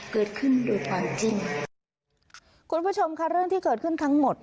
คุณผู้ชมค่ะเรื่องที่เกิดขึ้นทั้งหมด